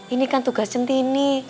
ini kan tugas centini